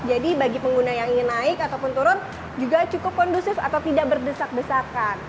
jadi bagi pengguna yang ingin naik ataupun turun juga cukup kondusif atau tidak berdesak besarkan